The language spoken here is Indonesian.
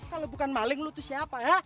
kalau bukan maling lo tuh siapa ha